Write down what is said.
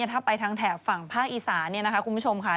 ถ้าไปทางแถบฝั่งภาคอีสานเนี่ยนะคะคุณผู้ชมค่ะ